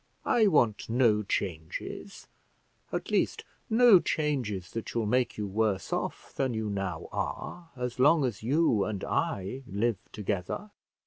I want no changes, at least no changes that shall make you worse off than you now are, as long as you and I live together."